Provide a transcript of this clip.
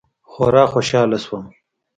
خورا خوشاله سوم.